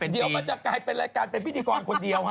เดี๋ยวมันจะกลายเป็นรายการเป็นพิธีกรคนเดียวฮะ